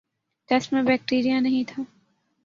test میں bacteria نہیں تھا